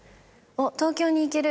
「あっ東京に行ける。